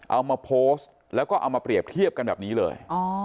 เอามาโพสต์แล้วก็เอามาเปรียบเทียบกันแบบนี้เลย